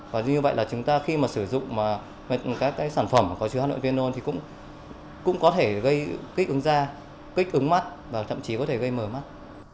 và như vậy là chúng ta khi mà sử dụng các sản phẩm có chứa hà nội vn thì cũng có thể gây kích ứng da kích ứng mắt và thậm chí có thể gây mờ mắt